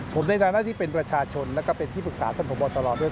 ผมในทางหน้าที่เป็นประชาชนและเป็นที่ปรึกษาท่านบตลอดด้วย